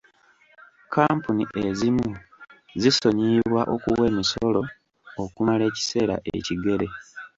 Kkampuni ezimu zisonyiyibwa okuwa emisolo okumala ekiseera ekigere.